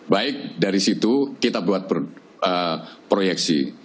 baik dari situ kita buat proyeksi